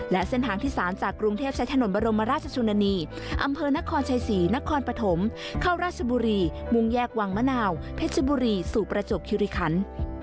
และเส้นทางที่๓จากกรุงเทพใช้ถนนบรมราชชนนีอำเภอนครชัยศรีนครปฐมเข้าราชบุรีมุ่งแยกวังมะนาวเพชรบุรีสู่ประจวบคิริคัน